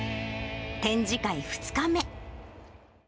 展示会２日目。